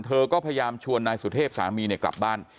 เธอก็พยายามชวนนายสุเทพสามีกลับบ้าน